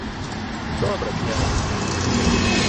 — Добре, княже.